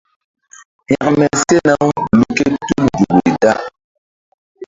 Hȩkme sena-u lu ké tul nzukri da.